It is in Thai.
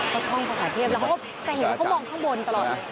ก็ท่องภาษาเทพแล้วเขาก็จะเห็นว่าเขามองข้างบนตลอด